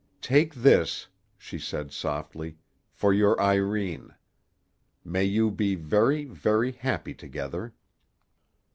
"Take this," she said softly, "for your Irene. May you be very, very happy together!"